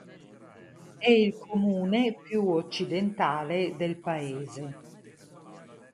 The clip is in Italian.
È il comune più occidentale del paese.